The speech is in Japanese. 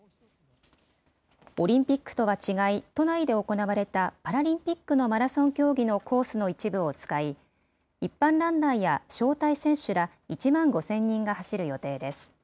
オリンピックとは違い、都内で行われたパラリンピックのマラソン競技のコースの一部を使い、一般ランナーや招待選手ら１万５０００人が走る予定です。